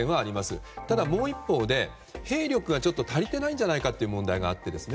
ただもう一方で兵力が足りてないんじゃないかという問題があって。